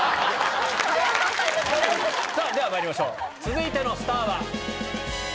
さぁではまいりましょう続いてのスターは。